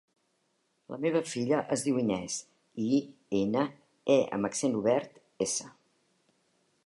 La meva filla es diu Inès: i, ena, e amb accent obert, essa.